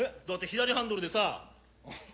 「だって左ハンドルでさ」